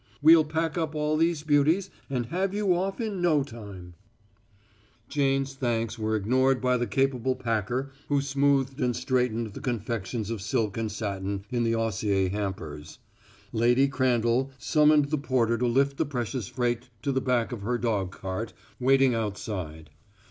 We'll pack up all these beauties and have you off in no time." [Illustration: Lady Crandall beamed upon Jane.] Jane's thanks were ignored by the capable packer who smoothed and straightened the confections of silk and satin in the osier hampers. Lady Crandall summoned the porter to lift the precious freight to the back of her dogcart, waiting outside.